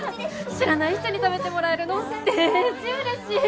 知らない人に食べてもらえるのでーじうれしい。